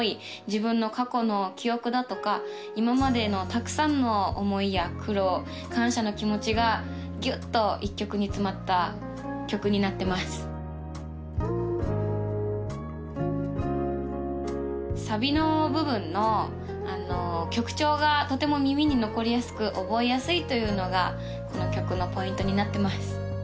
自分の過去の記憶だとか今までのたくさんの思いや苦労感謝の気持ちがギュッと１曲に詰まった曲になってますサビの部分の曲調がとても耳に残りやすく覚えやすいというのがこの曲のポイントになってます